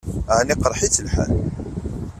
Ɛni iqṛeḥ-itt lḥal?